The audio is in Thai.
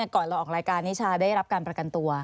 ก่อนเราออกรายการนิชาได้รับการประกันตัว